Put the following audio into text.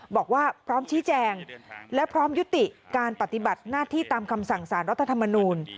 บอกว่าพร้อมชี้แจงและพร้อมยุติการปฏิบัติหน้าที่ตามคำสั่งสารรัฐธรรมนูล